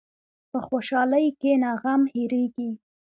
په خوشحالۍ کښېنه، غم هېرېږي.